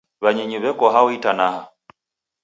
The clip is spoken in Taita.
W'anyinyu w'eko hao itanaha?